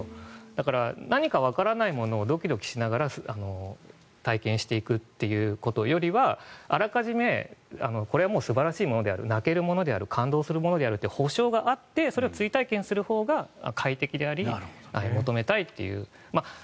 だから、何かわからないものをドキドキしながら体験していくというよりはあらかじめこれはもう素晴らしいものである泣けるものである感動するものであるという保証があってそれを追体験するほうが快適であり、求めたいという。